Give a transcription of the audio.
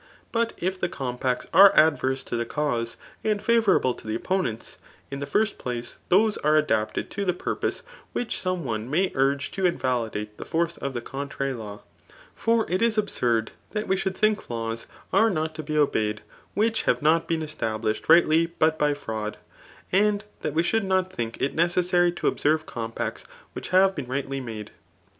But if the compacts are adverse to the cause, and favourable to the op* ponents, in the first place those are adapted to the purpose which some one may urge to invaUdate the force of the contrary law ; for it is absurd that we should think laws are not to be obeyed, which have not been established rightly but by fraud, and that we should not think it neces sary to observe compacts [which have been rightly made.